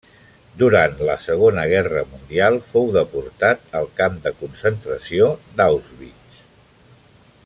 Durant la segona guerra mundial fou deportat al camp de concentració d'Auschwitz.